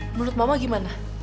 menurut mama gimana